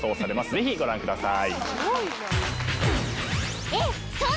ぜひご覧ください。